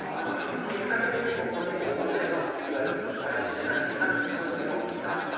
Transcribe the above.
結果的にここに大勢のパレスチナ人が住むようになった。